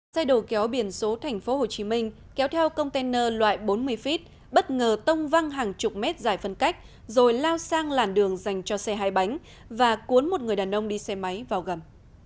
xe đầu kéo biển số tp hcm kéo theo container loại bốn mươi feet bất ngờ tông văng hàng chục mét dài phân cách rồi lao sang làn đường dành cho xe hai bánh và cuốn một người đàn ông đi xe máy vào gầm